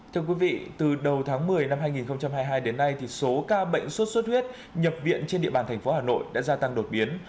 thưa quý vị từ đầu tháng một mươi năm hai nghìn hai mươi hai đến nay thì số ca bệnh sốt xuất huyết nhập viện trên địa bàn thành phố hà nội đã gia tăng đột biến